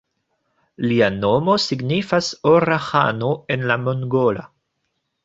Lia nomo signifas "Ora ĥano" en la mongola.